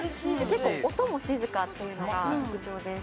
結構音も静かっていうのが特徴です